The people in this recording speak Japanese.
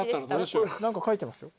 何か書いてますよ。